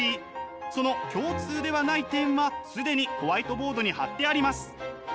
その共通ではない点は既にホワイトボードに貼ってあります。